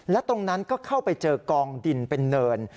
และตรงนั้นก็เข้าไปเจอกองดินเป็นเนิน